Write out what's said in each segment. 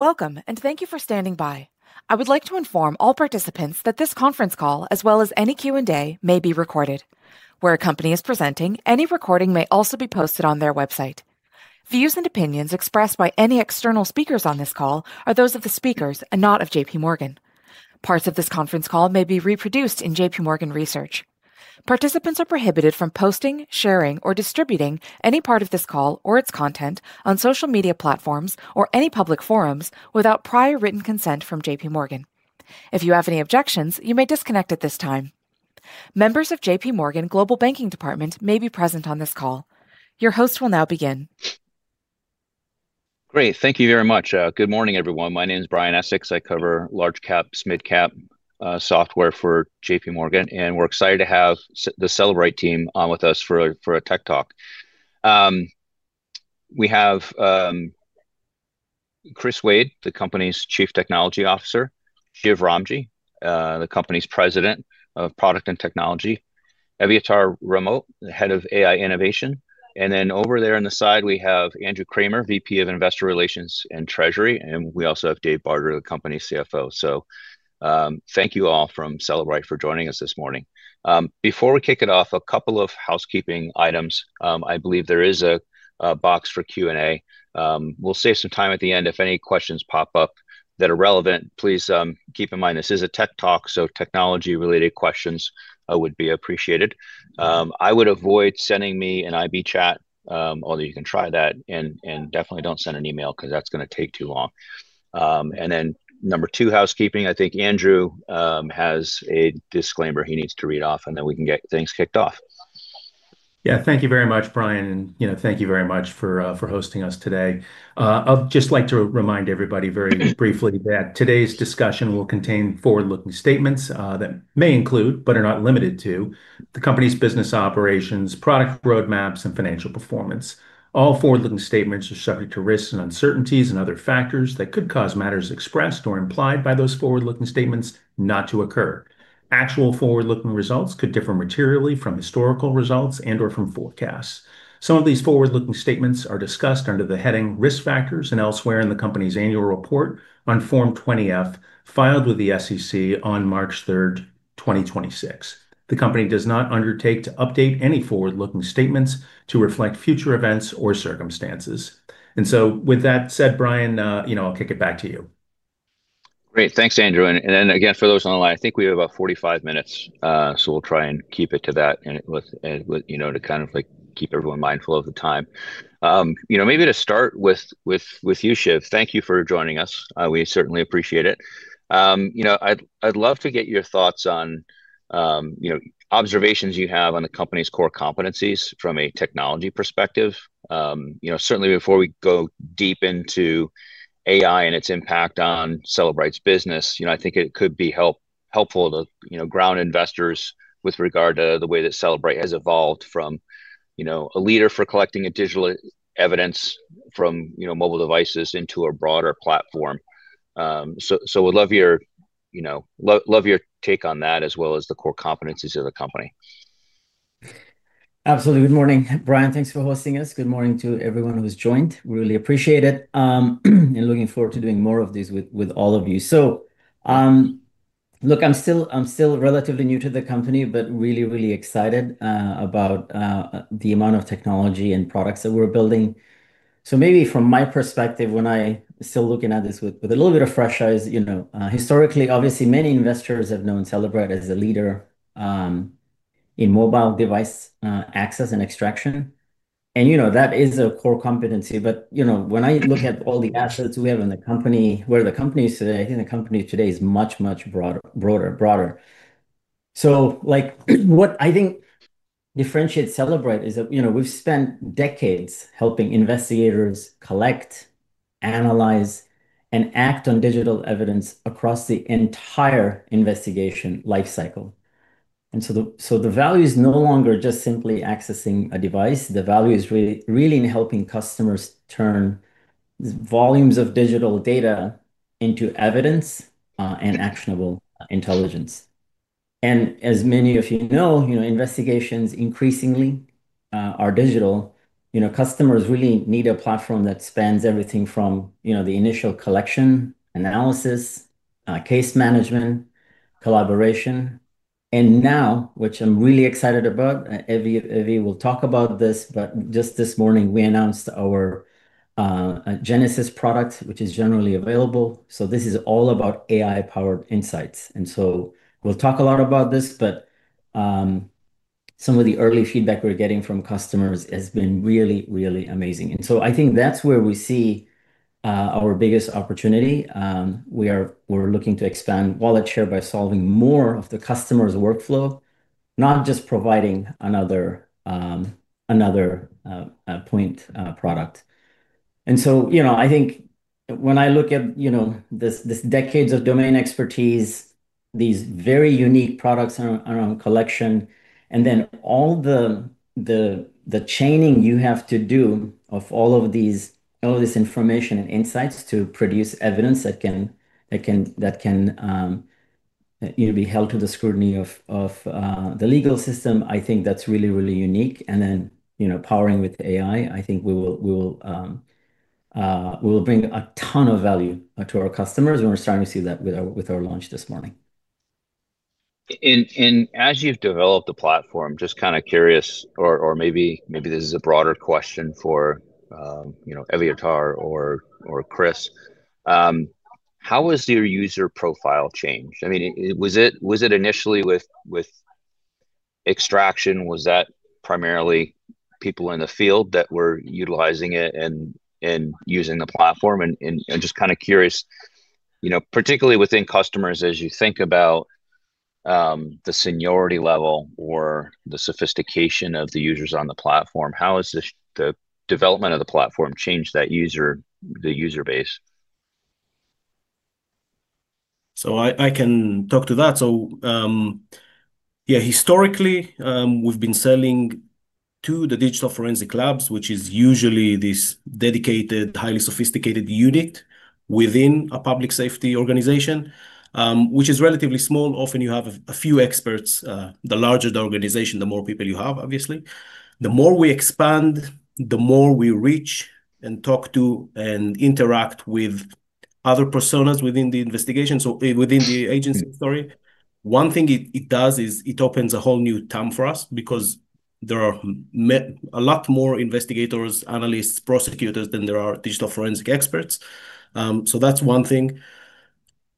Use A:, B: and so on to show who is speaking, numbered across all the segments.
A: Welcome, and thank you for standing by. I would like to inform all participants that this conference call, as well as any Q&A, may be recorded. Where a company is presenting, any recording may also be posted on their website. Views and opinions expressed by any external speakers on this call are those of the speakers and not of JPMorgan. Parts of this conference call may be reproduced in J.P. Morgan research. Participants are prohibited from posting, sharing, or distributing any part of this call or its content on social media platforms or any public forums without prior written consent from JPMorgan. If you have any objections, you may disconnect at this time. Members of JPMorgan Global Corporate Banking may be present on this call. Your host will now begin.
B: Great. Thank you very much. Good morning, everyone. My name is Brian Essex. I cover large cap, mid-cap software for JPMorgan. We're excited to have the Cellebrite team on with us for a tech talk. We have Chris Wade, the company's Chief Technology Officer, Shiven Ramji, the company's President of Product and Technology, Evyatar Ramot, the Head of AI Innovation, and then over there on the side we have Andrew Kramer, VP of Investor Relations and Treasury, and we also have David Barter, the company CFO. Thank you all from Cellebrite for joining us this morning. Before we kick it off, a couple of housekeeping items. I believe there is a box for Q&A. We'll save some time at the end. If any questions pop up that are relevant, please keep in mind this is a tech talk, so technology-related questions would be appreciated. I would avoid sending me an IB chat, although you can try that, definitely don't send an email because that's going to take too long. Number two housekeeping, I think Andrew has a disclaimer he needs to read off, then we can get things kicked off.
C: Thank you very much, Brian. Thank you very much for hosting us today. I'd just like to remind everybody very briefly that today's discussion will contain forward-looking statements that may include, but are not limited to, the company's business operations, product roadmaps, and financial performance. All forward-looking statements are subject to risks and uncertainties and other factors that could cause matters expressed or implied by those forward-looking statements not to occur. Actual forward-looking results could differ materially from historical results and/or from forecasts. Some of these forward-looking statements are discussed under the heading Risk Factors and elsewhere in the company's annual report on Form 20-F, filed with the SEC on March 3rd, 2026. The company does not undertake to update any forward-looking statements to reflect future events or circumstances. With that said, Brian, I'll kick it back to you.
B: Great. Thanks, Andrew. Again, for those on the line, I think we have about 45 minutes, so we will try and keep it to that to kind of keep everyone mindful of the time. To start with you, Shiv. Thank you for joining us. We certainly appreciate it. I'd love to get your thoughts on observations you have on the company's core competencies from a technology perspective. Certainly before we go deep into AI and its impact on Cellebrite's business, I think it could be helpful to ground investors with regard to the way that Cellebrite has evolved from a leader for collecting digital evidence from mobile devices into a broader platform. Would love your take on that, as well as the core competencies of the company.
D: Absolutely. Good morning, Brian. Thanks for hosting us. Good morning to everyone who's joined. Really appreciate it, and looking forward to doing more of these with all of you. Look, I'm still relatively new to the company, but really excited about the amount of technology and products that we're building. Maybe from my perspective, when I still looking at this with a little bit of fresh eyes, historically, obviously many investors have known Cellebrite as a leader in mobile device access and extraction. That is a core competency. When I look at all the assets we have in the company, where the company is today, I think the company today is much broader. What I think differentiates Cellebrite is that we've spent decades helping investigators collect, analyze, and act on digital evidence across the entire investigation lifecycle. The value is no longer just simply accessing a device. The value is really in helping customers turn volumes of digital data into evidence and actionable intelligence. As many of you know, investigations increasingly are digital. Customers really need a platform that spans everything from the initial collection, analysis, case management, collaboration. Now, which I'm really excited about, Evy will talk about this, but just this morning we announced our Genesis product, which is generally available. This is all about AI-powered insights. We'll talk a lot about this, but some of the early feedback we're getting from customers has been really amazing. I think that's where we see our biggest opportunity. We're looking to expand wallet share by solving more of the customer's workflow, not just providing another point product. I think when I look at this decades of domain expertise, these very unique products around collection, and then all the chaining you have to do of all of this information and insights to produce evidence that can be held to the scrutiny of the legal system. I think that's really unique. Powering with AI, I think we will bring a ton of value to our customers, and we're starting to see that with our launch this morning.
B: As you've developed the platform, just curious or maybe this is a broader question for Evyatar or Chris, how has your user profile changed? Was it initially with extraction? Was that primarily people in the field that were utilizing it and using the platform and just curious, particularly within customers as you think about the seniority level or the sophistication of the users on the platform, how has the development of the platform changed the user base?
E: I can talk to that. Historically, we've been selling to the digital forensic labs, which is usually this dedicated, highly sophisticated unit within a public safety organization, which is relatively small. Often you have a few experts. The larger the organization, the more people you have, obviously. The more we expand, the more we reach and talk to and interact with other personas within the agency. One thing it does is it opens a whole new TAM for us because there are a lot more investigators, analysts, prosecutors, than there are digital forensic experts. That's one thing.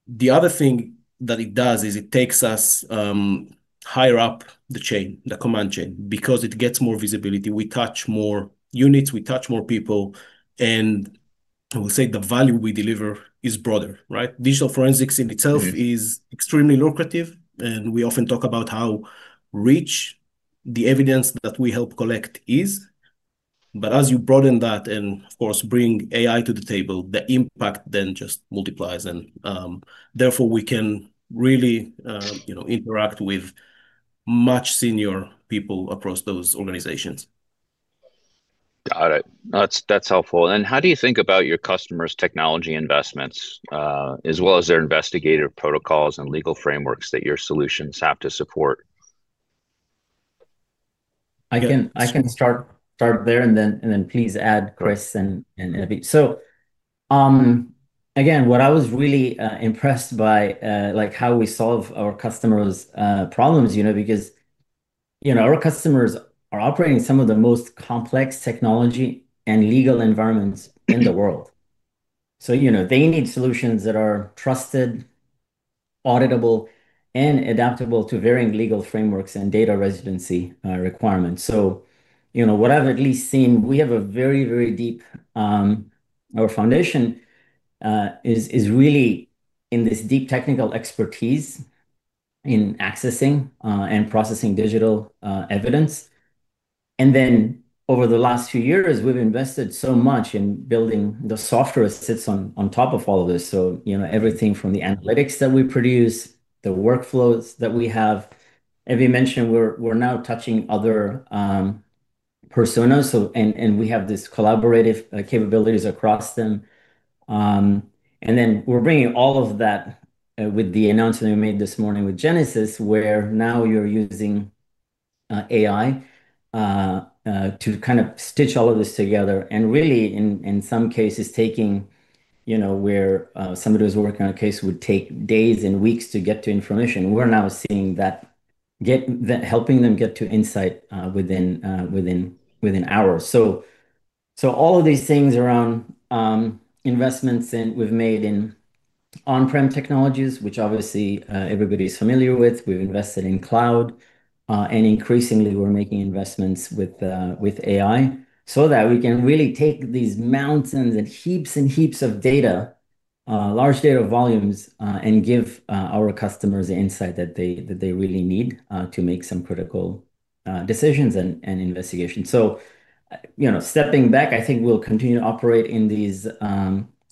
E: The other thing that it does is it takes us higher up the command chain because it gets more visibility. We touch more units, we touch more people, and I would say the value we deliver is broader, right? Digital forensics in itself is extremely lucrative, and we often talk about how rich the evidence that we help collect is. As you broaden that and of course bring AI to the table, the impact then just multiplies and, therefore, we can really interact with much senior people across those organizations.
B: Got it. That's helpful. How do you think about your customers' technology investments, as well as their investigative protocols and legal frameworks that your solutions have to support?
D: I can start there and then please add, Chris, in a bit. Again, what I was really impressed by, how we solve our customers' problems, because our customers are operating some of the most complex technology and legal environments in the world. They need solutions that are trusted, auditable, and adaptable to varying legal frameworks and data residency requirements. What I've at least seen, our foundation is really in this deep technical expertise in accessing, and processing digital evidence. Over the last few years, we've invested so much in building the software that sits on top of all of this. Everything from the analytics that we produce, the workflows that we have. Evy mentioned we're now touching other personas, and we have these collaborative capabilities across them. We're bringing all of that with the announcement we made this morning with Genesis, where now you're using AI to stitch all of this together and really in some cases, taking where somebody who's working on a case would take days and weeks to get to information, we're now seeing that helping them get to insight within hours. All of these things around investments we've made in on-prem technologies, which obviously, everybody's familiar with. We've invested in cloud, and increasingly we're making investments with AI so that we can really take these mountains and heaps and heaps of data, large data volumes, and give our customers the insight that they really need to make some critical decisions and investigations. Stepping back, I think we'll continue to operate in these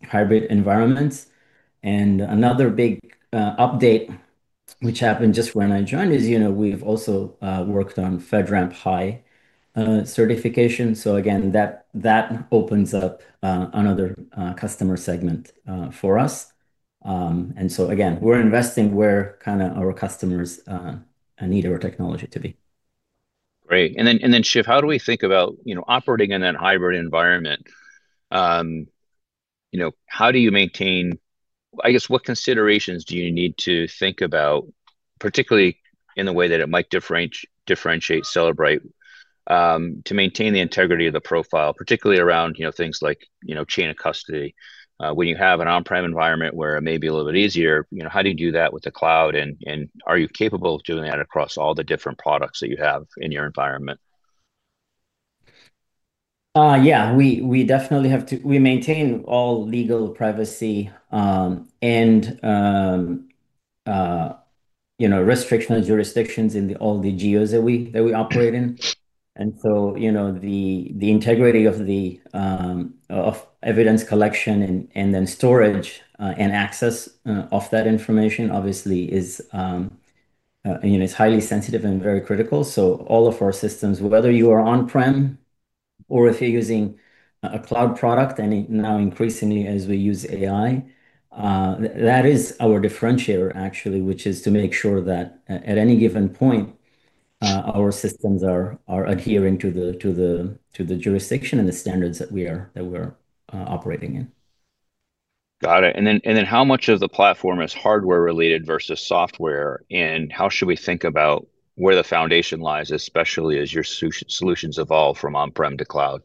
D: hybrid environments. Another big update, which happened just when I joined, is we've also worked on FedRAMP High certification. Again, that opens up another customer segment for us. Again, we're investing where our customers need our technology to be.
B: Great. Shiv, how do we think about operating in that hybrid environment? How do you maintain, I guess, what considerations do you need to think about, particularly in the way that it might differentiate Cellebrite, to maintain the integrity of the profile, particularly around things like chain of custody? When you have an on-prem environment where it may be a little bit easier, how do you do that with the cloud, and are you capable of doing that across all the different products that you have in your environment?
D: Yeah, we maintain all legal privacy, and restriction of jurisdictions in all the geos that we operate in. The integrity of evidence collection and then storage, and access of that information obviously It's highly sensitive and very critical. All of our systems, whether you are on-prem or if you're using a cloud product, and now increasingly as we use AI, that is our differentiator, actually, which is to make sure that at any given point, our systems are adhering to the jurisdiction and the standards that we're operating in.
B: Got it. How much of the platform is hardware-related versus software, and how should we think about where the foundation lies, especially as your solutions evolve from on-prem to cloud?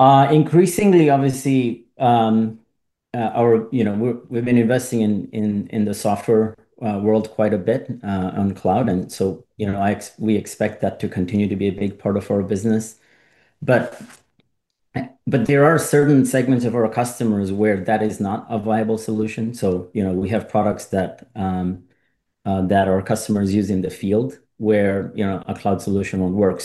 D: Increasingly, obviously, we've been investing in the software world quite a bit on cloud, we expect that to continue to be a big part of our business. There are certain segments of our customers where that is not a viable solution. We have products that our customers use in the field where a cloud solution won't work.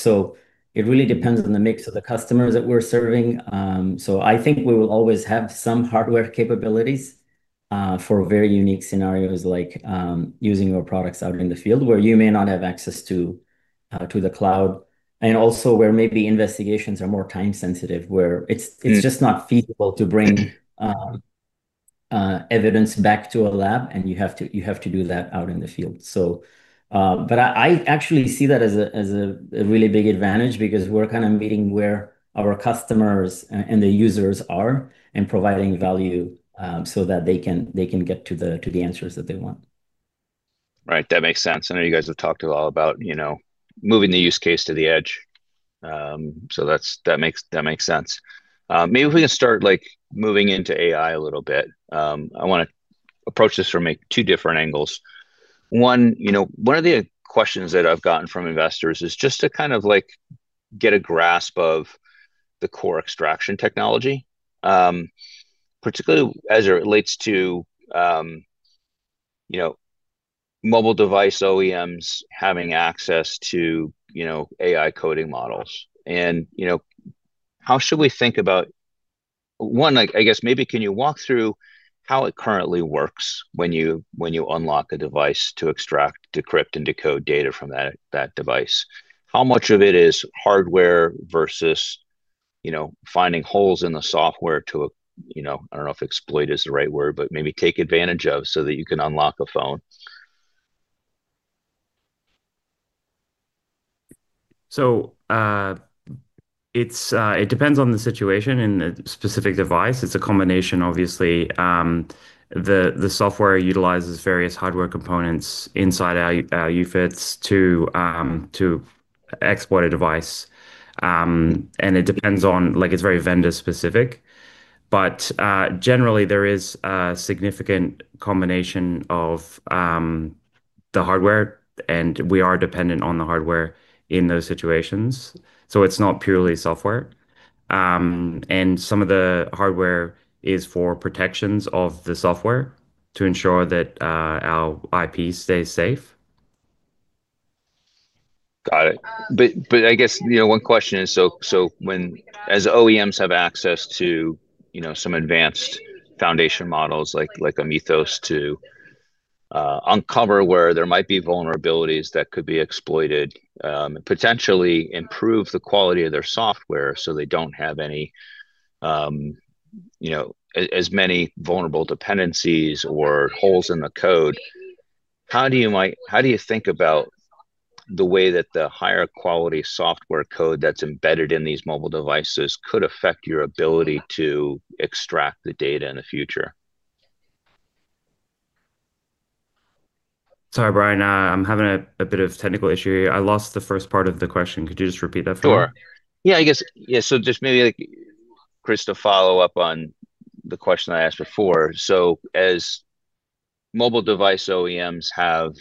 D: It really depends on the mix of the customers that we're serving. I think we will always have some hardware capabilities for very unique scenarios like using our products out in the field where you may not have access to the cloud, and also where maybe investigations are more time-sensitive, where it's just not feasible to bring evidence back to a lab, and you have to do that out in the field. I actually see that as a really big advantage because we're kind of meeting where our customers and the users are and providing value so that they can get to the answers that they want.
B: Right. That makes sense. I know you guys have talked a lot about moving the use case to the edge. That makes sense. Maybe if we can start moving into AI a little bit. I want to approach this from two different angles. One, one of the questions that I've gotten from investors is just to kind of get a grasp of the core extraction technology, particularly as it relates to mobile device OEMs having access to AI coding models. How should we think about, one, I guess maybe can you walk through how it currently works when you unlock a device to extract, decrypt, and decode data from that device? How much of it is hardware versus finding holes in the software to, I don't know if exploit is the right word, but maybe take advantage of so that you can unlock a phone?
F: It depends on the situation and the specific device. It's a combination, obviously. The software utilizes various hardware components inside our UFEDs to exploit a device. It depends on, it's very vendor specific, but generally there is a significant combination of the hardware, and we are dependent on the hardware in those situations. It's not purely software. Some of the hardware is for protections of the software to ensure that our IP stays safe.
B: Got it. I guess one question is, as OEMs have access to some advanced foundation models like a Mythos to uncover where there might be vulnerabilities that could be exploited, potentially improve the quality of their software so they don't have as many vulnerable dependencies or holes in the code. How do you think about the way that the higher quality software code that's embedded in these mobile devices could affect your ability to extract the data in the future?
F: Sorry, Brian, I'm having a bit of a technical issue here. I lost the first part of the question. Could you just repeat that for me?
B: Sure. Yeah, just maybe, Chris, to follow up on the question I asked before. As mobile device OEMs have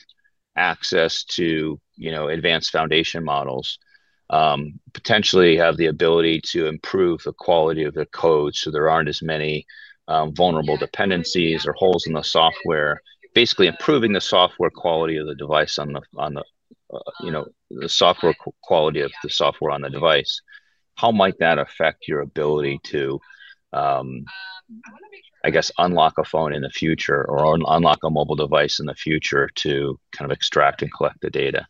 B: access to advanced foundation models, potentially have the ability to improve the quality of their code so there aren't as many vulnerable dependencies or holes in the software, basically improving the software quality of the software on the device. How might that affect your ability to, I guess, unlock a phone in the future or unlock a mobile device in the future to kind of extract and collect the data?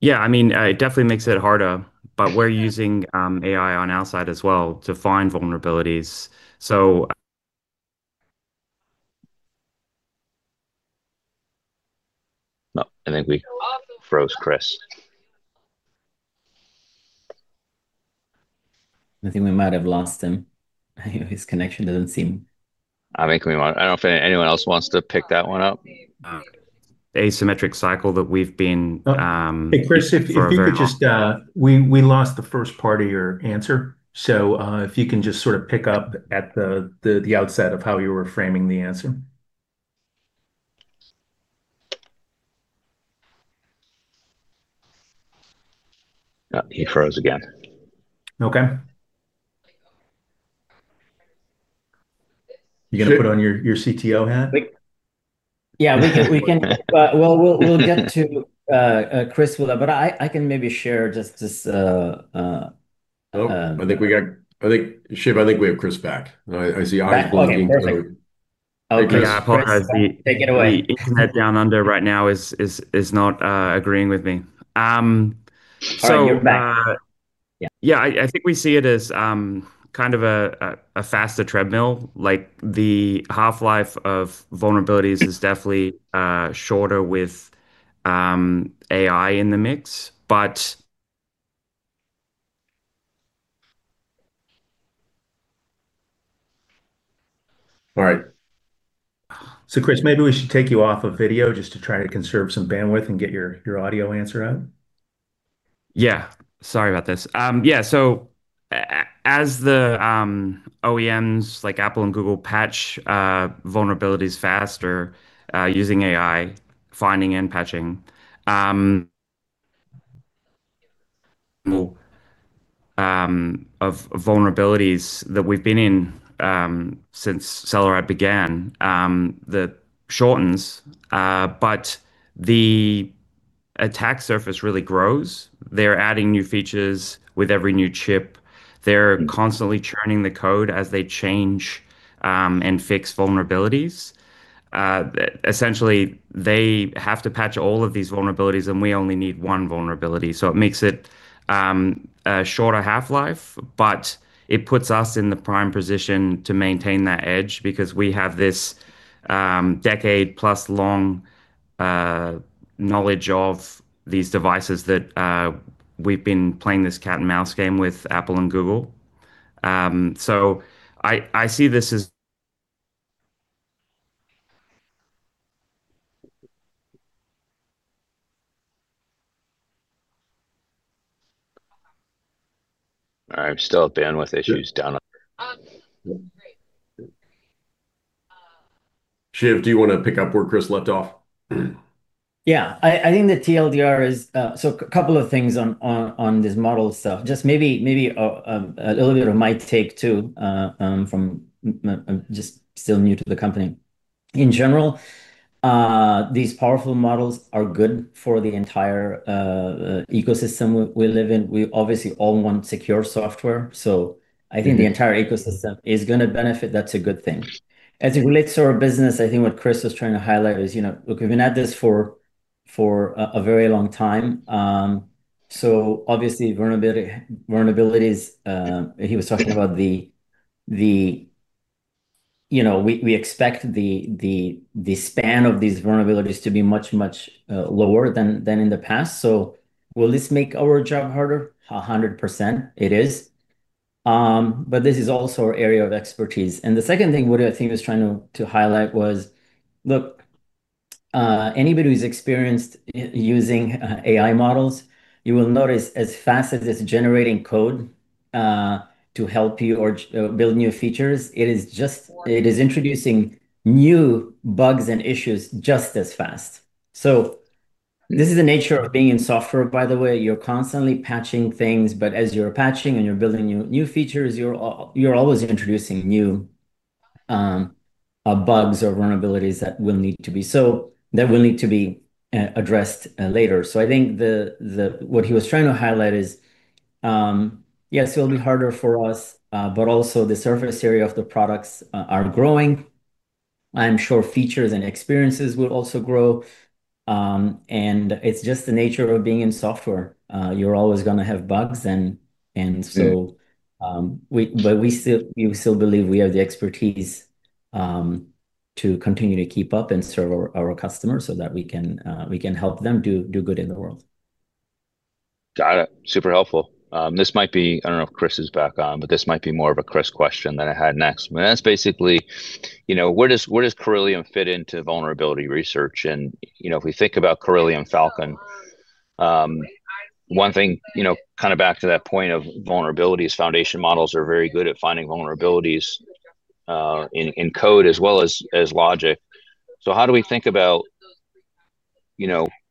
F: Yeah, it definitely makes it harder, we're using AI on our side as well to find vulnerabilities.
B: No, I think we froze Chris.
D: I think we might have lost him.
B: I don't know if anyone else wants to pick that one up.
F: Asymmetric cycle that we've been.
C: Hey, Chris, if you could just, we lost the first part of your answer, so if you can just sort of pick up at the outset of how you were framing the answer.
B: He froze again.
C: Okay. You going to put on your CTO hat?
D: Yeah, we'll get to Chris, but I can maybe share just this.
B: Oh, Shiv, I think we have Chris back. I see eyes blinking through.
D: Okay, perfect.
F: Yeah, I apologize.
D: Take it away.
F: The internet down under right now is not agreeing with me.
D: All right, you're back. Yeah.
F: I think we see it as kind of a faster treadmill. The half-life of vulnerabilities is definitely shorter with AI in the mix.
B: Chris, maybe we should take you off of video just to try to conserve some bandwidth and get your audio answer out.
F: Sorry about this. As the OEMs like Apple and Google patch vulnerabilities faster using AI, finding and patching of vulnerabilities that we've been in since Cellebrite began, that shortens. The attack surface really grows. They're adding new features with every new chip. They're constantly churning the code as they change and fix vulnerabilities. Essentially, they have to patch all of these vulnerabilities. We only need one vulnerability. It makes it a shorter half-life. It puts us in the prime position to maintain that edge because we have this decade-plus long knowledge of these devices that we've been playing this cat and mouse game with Apple and Google.
D: Still have bandwidth issues down under.
B: Shiv, do you want to pick up where Chris left off?
D: Yeah. I think the TLDR is, a couple of things on this model stuff, just maybe a little bit of my take, too, from just still new to the company. In general, these powerful models are good for the entire ecosystem we live in. We obviously all want secure software. I think the entire ecosystem is going to benefit. That's a good thing. As it relates to our business, I think what Chris was trying to highlight is, look, we've been at this for a very long time. Obviously, vulnerabilities, he was talking about we expect the span of these vulnerabilities to be much, much lower than in the past. Will this make our job harder? 100% it is. This is also our area of expertise. The second thing what I think he was trying to highlight was, look, anybody who's experienced using AI models, you will notice as fast as it's generating code to help you or build new features, it is introducing new bugs and issues just as fast. This is the nature of being in software, by the way. You're constantly patching things, but as you're patching and you're building new features, you're always introducing new bugs or vulnerabilities that will need to be addressed later. I think what he was trying to highlight is, yes, it'll be harder for us, but also the surface area of the products are growing. I am sure features and experiences will also grow. It's just the nature of being in software. You're always going to have bugs. We still believe we have the expertise to continue to keep up and serve our customers so that we can help them do good in the world.
B: Got it. Super helpful. I don't know if Chris is back on, but this might be more of a Chris question that I had next, and that's basically, where does Corellium fit into vulnerability research? If we think about Corellium Falcon, one thing, kind of back to that point of vulnerabilities, foundation models are very good at finding vulnerabilities in code as well as logic. How do we think about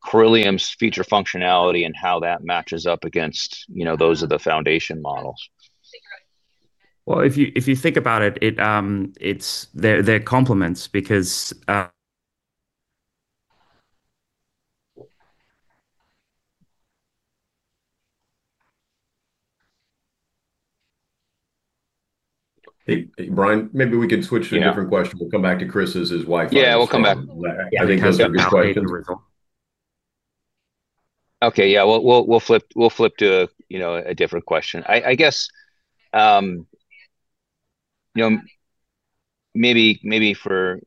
B: Corellium's feature functionality and how that matches up against those of the foundation models?
F: Well, if you think about it, they're complements because.
C: Hey, Brian, maybe we can switch to a different question. We'll come back to Chris as his Wi-Fi.
D: Yeah, we'll come back
B: I think comes up next question.
F: Okay. Yeah. We'll flip to a different question. I guess maybe for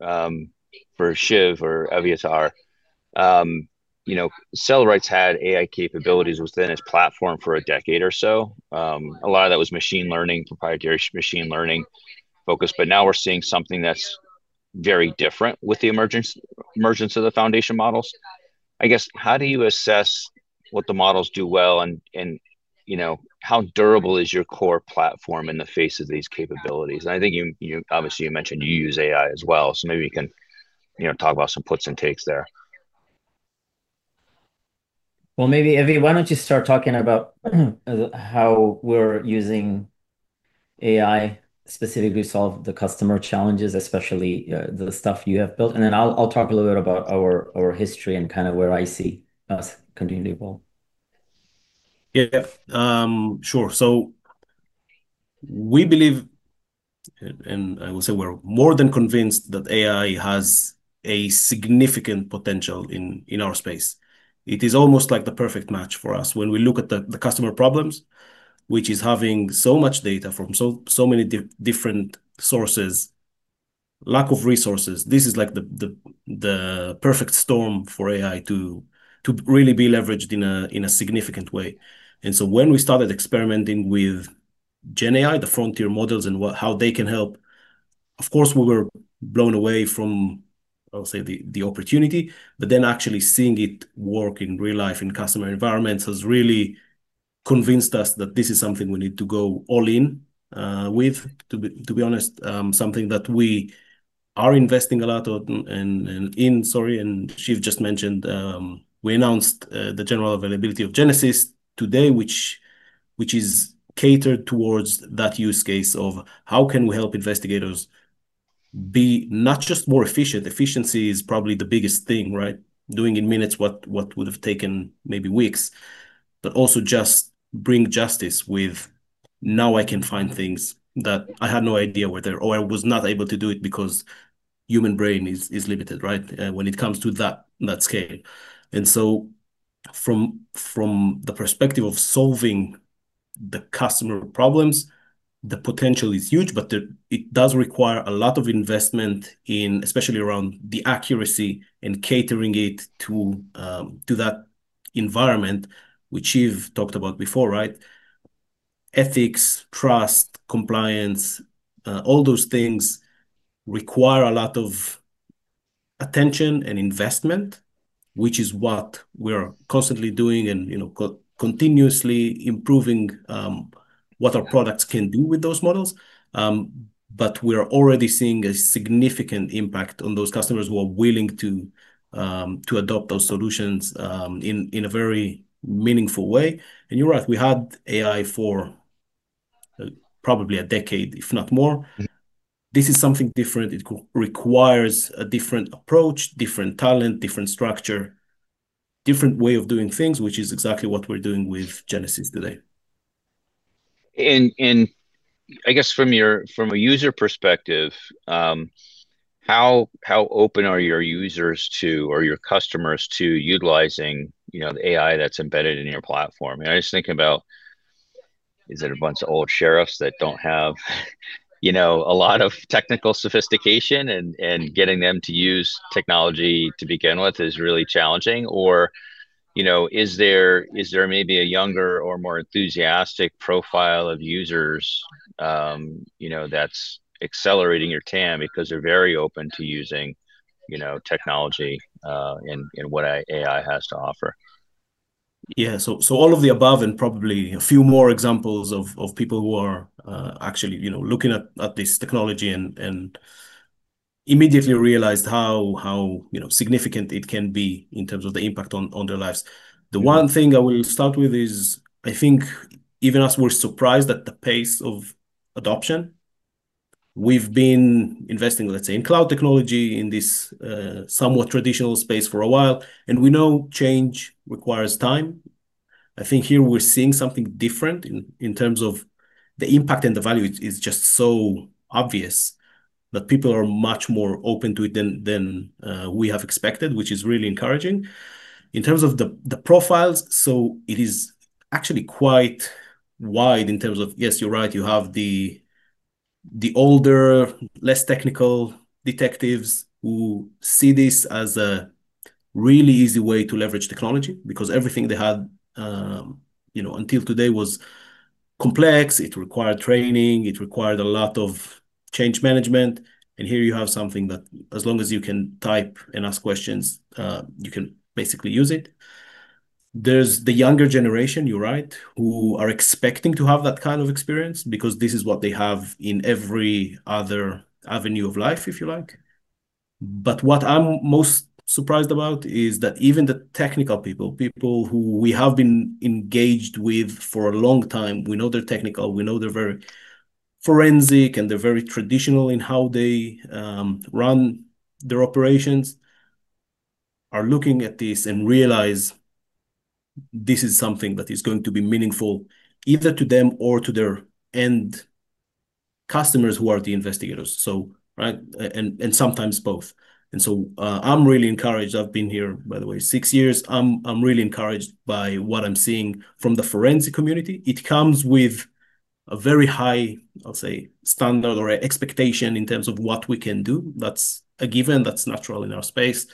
F: Shiv or Evyatar, Cellebrite's had AI capabilities within its platform for a decade or so. A lot of that was machine learning, proprietary machine learning focus, but now we're seeing something that's very different with the emergence of the foundation models. I guess, how do you assess what the models do well, and how durable is your core platform in the face of these capabilities? I think obviously you mentioned you use AI as well, so maybe you can talk about some puts and takes there.
D: Well, maybe Evy, why don't you start talking about how we're using AI specifically solve the customer challenges, especially the stuff you have built? Then I'll talk a little bit about our history and kind of where I see us continuing to evolve.
E: Yeah. Sure. We believe, and I will say we're more than convinced, that AI has a significant potential in our space. It is almost like the perfect match for us when we look at the customer problems, which is having so much data from so many different sources, lack of resources. This is like the perfect storm for AI to really be leveraged in a significant way. When we started experimenting with GenAI, the frontier models, and how they can help, of course, we were blown away from, I'll say, the opportunity. Actually seeing it work in real life in customer environments has really convinced us that this is something we need to go all in with. To be honest, something that we are investing a lot in. Shiv just mentioned, we announced the general availability of Genesis today, which is catered towards that use case of how can we help investigators be not just more efficient. Efficiency is probably the biggest thing, right? Doing in minutes what would've taken maybe weeks, but also just bring justice with now I can find things that I had no idea were there, or I was not able to do it because human brain is limited, right, when it comes to that scale. From the perspective of solving the customer problems, the potential is huge, but it does require a lot of investment, especially around the accuracy and catering it to that environment, which Shiv talked about before, right? Ethics, trust, compliance, all those things require a lot of attention and investment, which is what we're constantly doing and continuously improving what our products can do with those models. We're already seeing a significant impact on those customers who are willing to adopt those solutions in a very meaningful way. You're right, we had AI for probably a decade, if not more. This is something different. It requires a different approach, different talent, different structure, different way of doing things, which is exactly what we're doing with Genesis today.
B: I guess from a user perspective, how open are your users to, or your customers to utilizing the AI that's embedded in your platform? I was just thinking about, is it a bunch of old sheriffs that don't have a lot of technical sophistication, and getting them to use technology to begin with is really challenging? Or is there maybe a younger or more enthusiastic profile of users that's accelerating your TAM because they're very open to using technology, and what AI has to offer?
E: Yeah. All of the above and probably a few more examples of people who are actually looking at this technology and immediately realized how significant it can be in terms of the impact on their lives. The one thing I will start with is, I think even us were surprised at the pace of adoption. We've been investing, let's say, in cloud technology in this somewhat traditional space for a while, and we know change requires time. I think here we're seeing something different in terms of the impact and the value is just so obvious that people are much more open to it than we have expected, which is really encouraging. It is actually quite wide in terms of, yes, you're right, you have the older, less technical detectives who see this as a really easy way to leverage technology because everything they had until today was complex. It required training, it required a lot of change management. Here you have something that as long as you can type and ask questions, you can basically use it. There's the younger generation, you're right, who are expecting to have that kind of experience because this is what they have in every other avenue of life, if you like. What I'm most surprised about is that even the technical people who we have been engaged with for a long time, we know they're technical, we know they're very forensic, and they're very traditional in how they run their operations, are looking at this and realize this is something that is going to be meaningful either to them or to their end customers who are the investigators, so, right, and sometimes both. I'm really encouraged. I've been here, by the way, six years. I'm really encouraged by what I'm seeing from the forensic community. It comes with a very high, I'll say, standard or expectation in terms of what we can do. That's a given. That's natural in our space.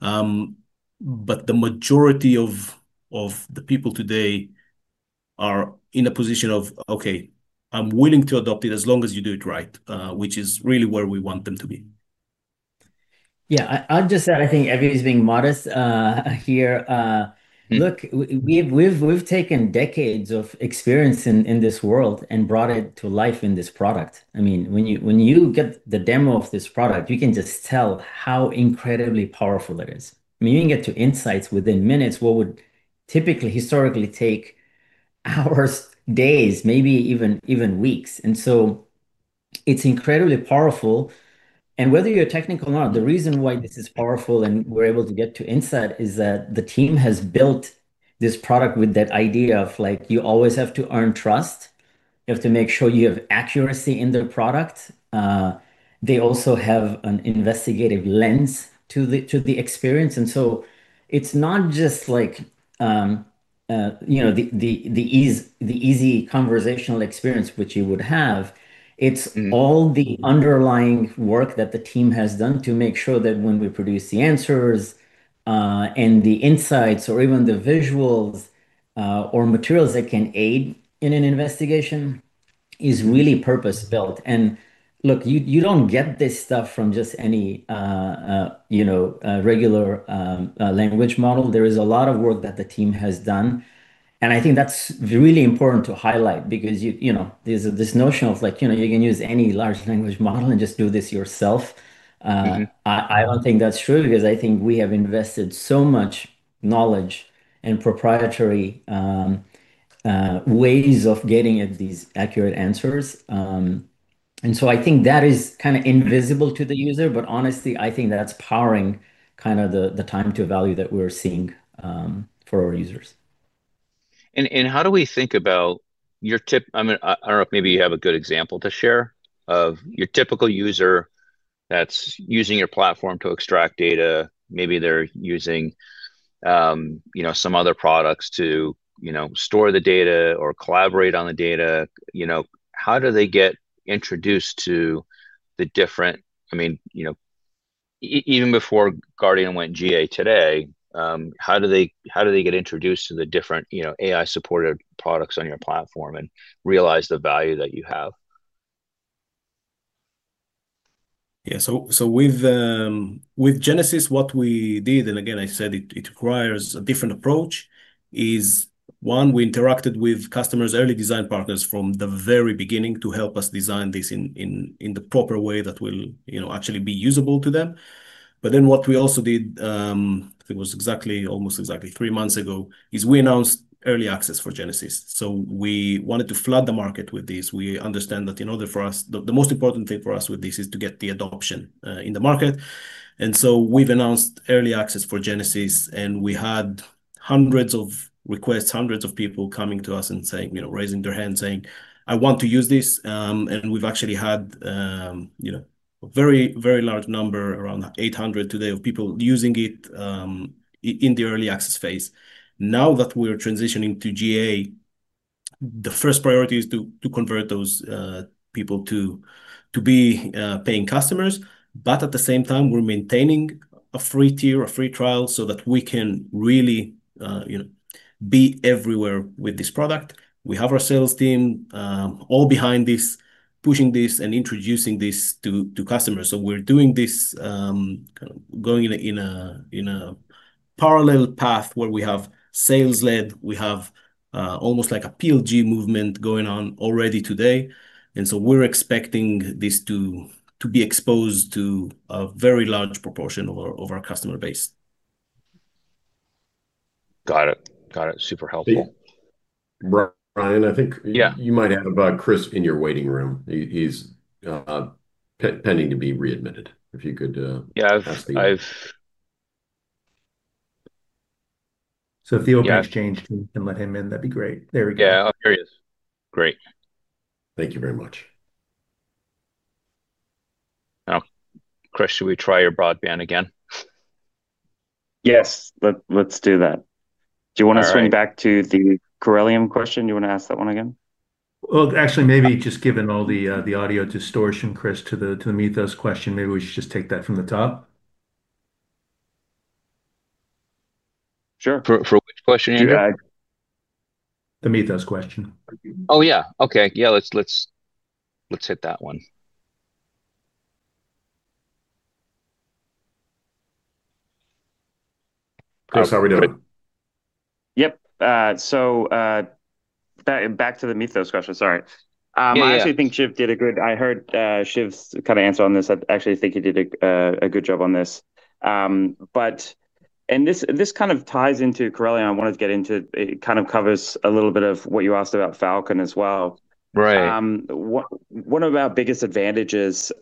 E: The majority of the people today are in a position of, okay, I'm willing to adopt it as long as you do it right, which is really where we want them to be.
D: Yeah. I'd just add, I think everybody's being modest here. Look, we've taken decades of experience in this world and brought it to life in this product. When you get the demo of this product, you can just tell how incredibly powerful it is. You can get to insights within minutes what typically, historically take hours, days, maybe even weeks. It's incredibly powerful, and whether you're technical or not, the reason why this is powerful and we're able to get to insight is that the team has built this product with that idea of you always have to earn trust. You have to make sure you have accuracy in the product. They also have an investigative lens to the experience. It's not just the easy conversational experience which you would have. It's all the underlying work that the team has done to make sure that when we produce the answers and the insights or even the visuals or materials that can aid in an investigation, is really purpose-built. Look, you don't get this stuff from just any regular language model. There is a lot of work that the team has done, and I think that's really important to highlight because there's this notion of you can use any large language model and just do this yourself. I don't think that's true because I think we have invested so much knowledge and proprietary ways of getting at these accurate answers. I think that is kind of invisible to the user, but honestly, I think that's powering the time to value that we're seeing for our users.
B: How do we think about your I don't know if maybe you have a good example to share, of your typical user that's using your platform to extract data. Maybe they're using some other products to store the data or collaborate on the data. How do they get introduced to the different Even before Guardian went GA today, how do they get introduced to the different AI-supported products on your platform and realize the value that you have?
E: With Genesis, what we did, and again, I said it requires a different approach, is, one, we interacted with customers, early design partners from the very beginning to help us design this in the proper way that will actually be usable to them. What we also did, I think it was almost exactly three months ago, is we announced early access for Genesis. We wanted to flood the market with this. We understand that the most important thing for us with this is to get the adoption in the market. We've announced early access for Genesis, and we had hundreds of requests, hundreds of people coming to us and raising their hand saying, "I want to use this." And we've actually had a very large number, around 800 today, of people using it in the early access phase. Now that we're transitioning to GA, the first priority is to convert those people to be paying customers. At the same time, we're maintaining a free tier, a free trial, so that we can really be everywhere with this product. We have our sales team all behind this, pushing this and introducing this to customers. We're doing this, going in a parallel path where we have sales-led, we have almost like a PLG movement going on already today. We're expecting this to be exposed to a very large proportion of our customer base.
B: Got it. Super helpful.
G: Brian. You might have Chris in your waiting room. He's pending to be readmitted. If you could ask.
B: Yeah.
C: If you open exchange and let him in, that'd be great. There we go.
B: Yeah. Oh, there he is. Great.
G: Thank you very much.
B: Now, Chris, should we try your broadband again?
F: Yes. Let's do that.
B: All right.
F: Do you want to swing back to the Corellium question? You want to ask that one again?
C: Well, actually, maybe just given all the audio distortion, Chris, to the Mythos question, maybe we should just take that from the top.
F: Sure.
B: For which question, Andrew?
C: The Mythos question.
B: Oh, yeah. Okay. Yeah, let's hit that one.
G: Chris, how are we doing?
F: Yep. Back to the Mythos question, sorry. I actually think I heard Shiv's kind of answer on this. I actually think he did a good job on this. This kind of ties into Corellium. I wanted to get into, it kind of covers a little bit of what you asked about Falcon as well.
B: Right.
F: One of our biggest advantages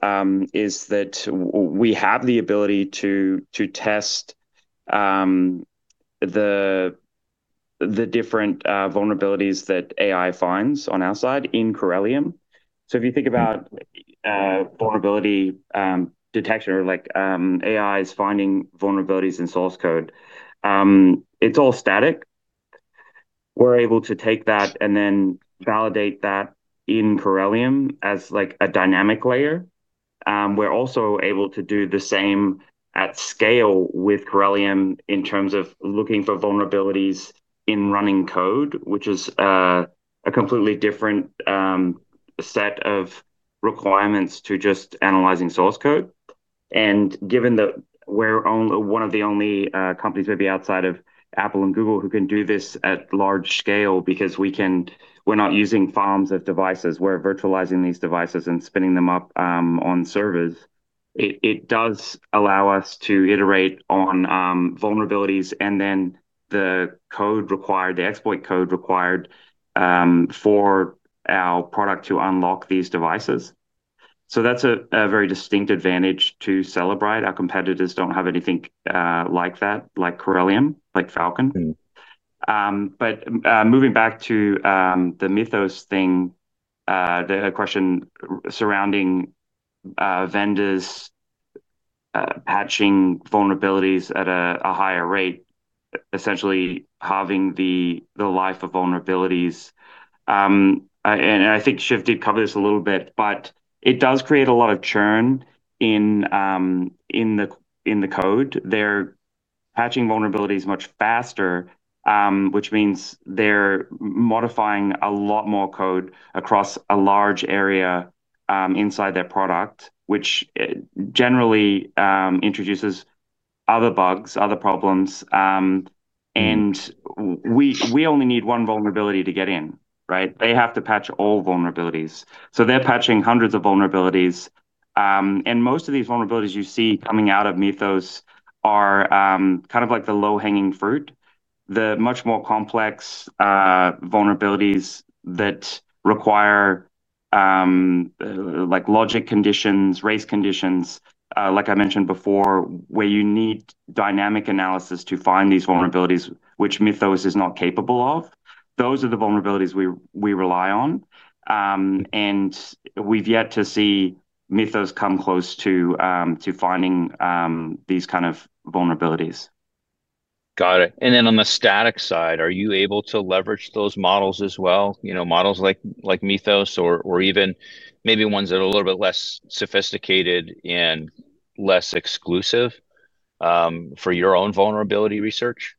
F: is that we have the ability to test the different vulnerabilities that AI finds on our side in Corellium. If you think about vulnerability detection, or like AI is finding vulnerabilities in source code, it's all static. We're able to take that and then validate that in Corellium as a dynamic layer. We're also able to do the same at scale with Corellium in terms of looking for vulnerabilities in running code, which is a completely different set of requirements to just analyzing source code. Given that we're one of the only companies, maybe outside of Apple and Google, who can do this at large scale because we're not using farms of devices. We're virtualizing these devices and spinning them up on servers. It does allow us to iterate on vulnerabilities and then the exploit code required for our product to unlock these devices. That's a very distinct advantage to Cellebrite. Our competitors don't have anything like that, like Corellium, like Falcon. Moving back to the Mythos thing, the question surrounding vendors patching vulnerabilities at a higher rate, essentially halving the life of vulnerabilities. I think Shiv did cover this a little bit, but it does create a lot of churn in the code. They're patching vulnerabilities much faster, which means they're modifying a lot more code across a large area inside their product, which generally introduces other bugs, other problems. We only need one vulnerability to get in, right? They have to patch all vulnerabilities. They're patching hundreds of vulnerabilities. Most of these vulnerabilities you see coming out of Mythos are kind of like the low-hanging fruit. The much more complex vulnerabilities that require logic conditions, race conditions, like I mentioned before, where you need dynamic analysis to find these vulnerabilities, which Mythos is not capable of. Those are the vulnerabilities we rely on. We've yet to see Mythos come close to finding these kind of vulnerabilities.
B: Got it. Then on the static side, are you able to leverage those models as well? Models like Mythos or even maybe ones that are a little bit less sophisticated and less exclusive, for your own vulnerability research?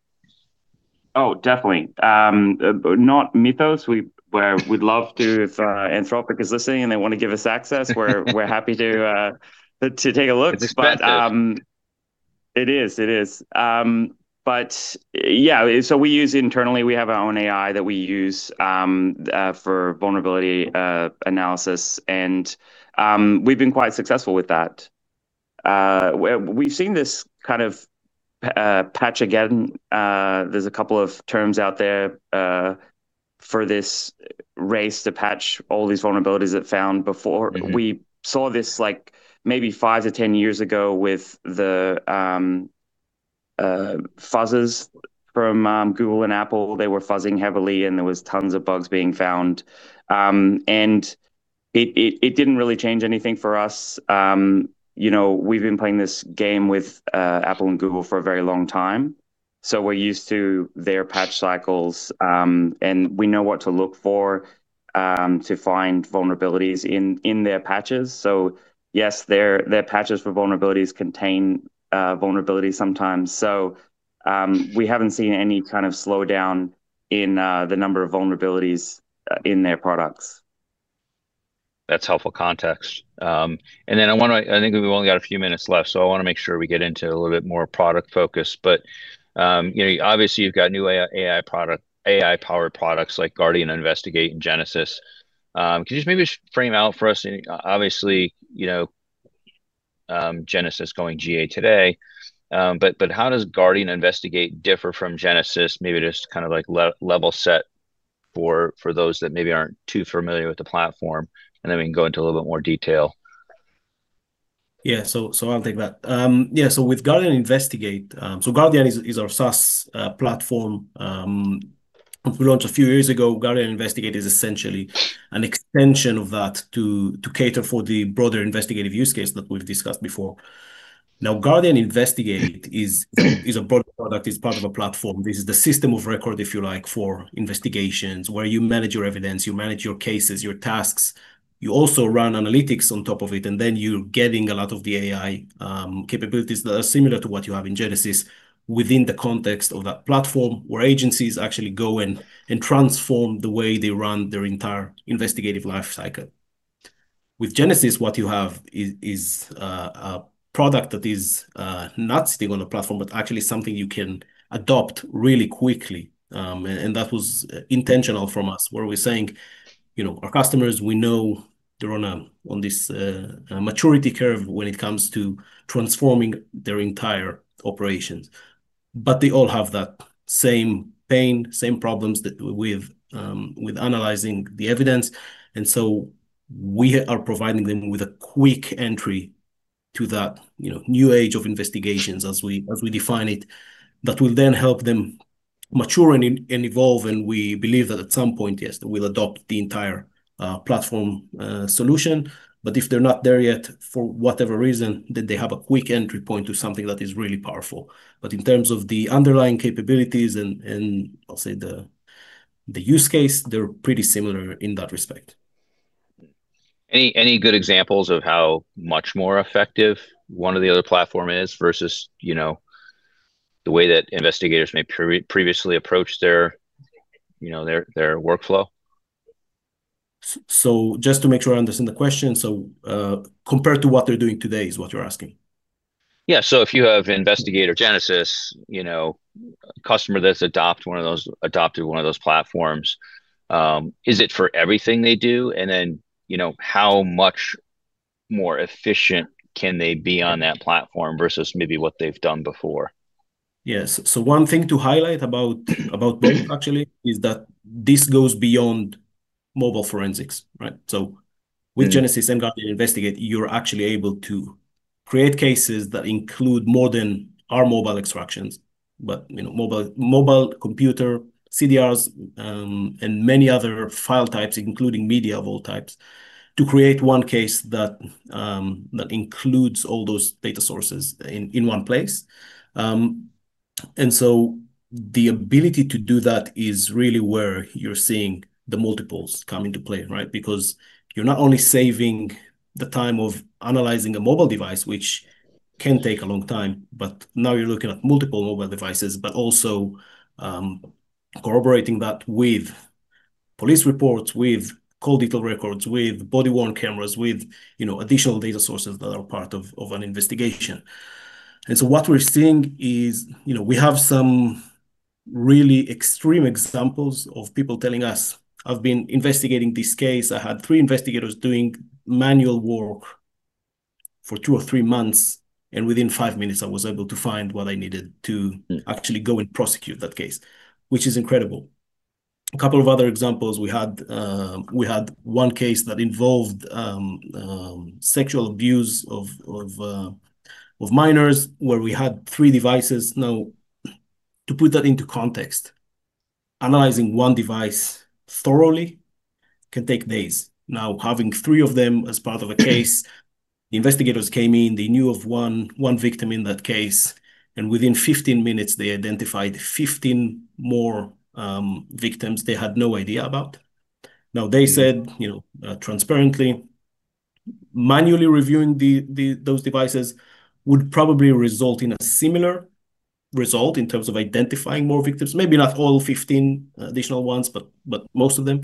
F: Oh, definitely. Not Mythos. We'd love to, if Anthropic is listening and they want to give us access, we're happy to take a look.
B: It's expensive.
F: It is. Yeah, we use internally, we have our own AI that we use for vulnerability analysis, and we've been quite successful with that. We've seen this kind of patch again. There's a couple of terms out there for this race to patch all these vulnerabilities it found before. We saw this maybe five to 10 years ago with the fuzzers from Google and Apple. They were fuzzing heavily, and there was tons of bugs being found. It didn't really change anything for us. We've been playing this game with Apple and Google for a very long time. We're used to their patch cycles, and we know what to look for to find vulnerabilities in their patches. Yes, their patches for vulnerabilities contain vulnerabilities sometimes. We haven't seen any kind of slowdown in the number of vulnerabilities in their products.
B: That's helpful context. I think we've only got a few minutes left, I want to make sure we get into a little bit more product focus. Obviously you've got new AI-powered products like Guardian Investigate and Genesis. Could you just maybe frame out for us, obviously, Genesis going GA today. How does Guardian Investigate differ from Genesis? Maybe just to kind of like level set for those that maybe aren't too familiar with the platform, we can go into a little bit more detail.
E: Yeah. I'll take that. Yeah, with Guardian Investigate, Guardian is our SaaS platform, which we launched a few years ago. Guardian Investigate is essentially an extension of that to cater for the broader investigative use case that we've discussed before. Now, Guardian Investigate is a broader product, is part of a platform. This is the system of record, if you like, for investigations, where you manage your evidence, you manage your cases, your tasks. You also run analytics on top of it, then you're getting a lot of the AI capabilities that are similar to what you have in Genesis within the context of that platform, where agencies actually go and transform the way they run their entire investigative life cycle. With Genesis, what you have is a product that is not sitting on a platform, but actually something you can adopt really quickly. That was intentional from us, where we're saying our customers, we know they're on this maturity curve when it comes to transforming their entire operations. They all have that same pain, same problems with analyzing the evidence. We are providing them with a quick entry to that new age of investigations as we define it, that will then help them mature and evolve, and we believe that at some point, yes, they will adopt the entire platform solution. If they're not there yet, for whatever reason, then they have a quick entry point to something that is really powerful. In terms of the underlying capabilities and I'll say the use case, they're pretty similar in that respect.
B: Any good examples of how much more effective one or the other platform is versus the way that investigators may previously approach their workflow?
E: Just to make sure I understand the question, so, compared to what they're doing today is what you're asking?
B: Yeah. If you have Investigate, Genesis, a customer that's adopted one of those platforms, is it for everything they do? Then, how much more efficient can they be on that platform versus maybe what they've done before?
E: Yes. One thing to highlight about both actually, is that this goes beyond mobile forensics. With Genesis and Guardian Investigate, you're actually able to create cases that include more than our mobile extractions. Mobile, computer, CDRs, and many other file types, including media of all types, to create one case that includes all those data sources in one place. The ability to do that is really where you're seeing the multiples come into play. You're not only saving the time of analyzing a mobile device, which can take a long time, but now you're looking at multiple mobile devices, but also corroborating that with police reports, with Call Detail Records, with body-worn cameras, with additional data sources that are part of an investigation. What we're seeing is we have some really extreme examples of people telling us, "I've been investigating this case. I had three investigators doing manual work for two or three months, within five minutes, I was able to find what I needed to actually go and prosecute that case," which is incredible. A couple of other examples. We had one case that involved sexual abuse of minors where we had three devices. To put that into context, analyzing one device thoroughly can take days. Having three of them as part of a case, the investigators came in, they knew of one victim in that case, within 15 minutes they identified 15 more victims they had no idea about. They said transparently, manually reviewing those devices would probably result in a similar result in terms of identifying more victims. Maybe not all 15 additional ones, but most of them.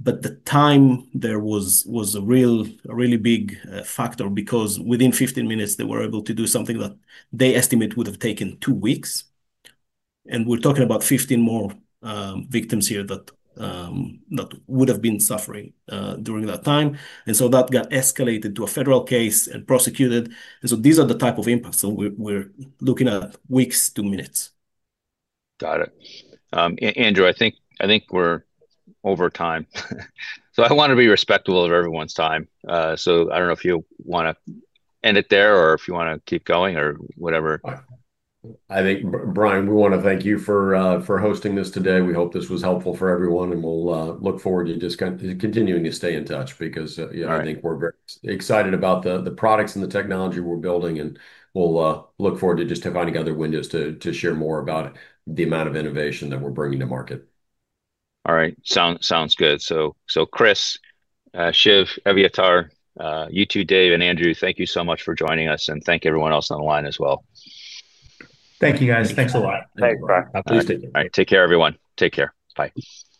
E: The time there was a really big factor because within 15 minutes they were able to do something that they estimate would have taken two weeks. We're talking about 15 more victims here that would've been suffering during that time. That got escalated to a federal case and prosecuted. These are the type of impacts. We're looking at weeks to minutes.
B: Got it. Andrew, I think we're over time. I want to be respectful of everyone's time. I don't know if you want to end it there or if you want to keep going or whatever.
D: I think, Brian, we want to thank you for hosting this today. We hope this was helpful for everyone, we'll look forward to just continuing to stay in touch because I think we're very excited about the products and the technology we're building, we'll look forward to just finding other windows to share more about the amount of innovation that we're bringing to market.
B: All right. Sounds good. Chris, Shiv, Evyatar, you two, David and Andrew, thank you so much for joining us, and thank everyone else on the line as well.
C: Thank you, guys. Thanks a lot.
E: Thanks, Brian. Appreciate it.
B: All right. Take care everyone. Take care. Bye.